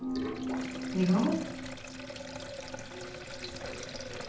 似顔絵？